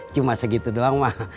cuma segitu doang mah